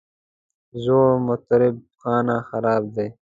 زوړ مطرب خانه خراب دی.